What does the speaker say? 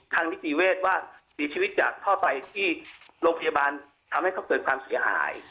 ทางนิจจีนเวชว่ามีชีวิตจะท่อไปที่โรงพยาบาลทำให้เขาเติบความเสียหาย